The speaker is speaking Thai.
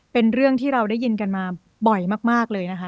เป็นเรื่องที่เราได้ยินกันมาบ่อยมากเลยนะคะ